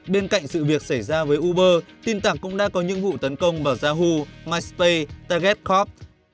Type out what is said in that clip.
bên cạnh sự việc xảy ra với uber tin tẳng cũng đã có những vụ tấn công vào yahoo myspace targetcorp